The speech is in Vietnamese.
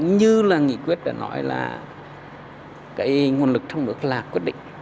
như là nghị quyết đã nói là cái nguồn lực trong nước là quyết định